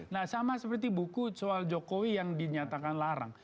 nah sama seperti buku soal jokowi yang dinyatakan larang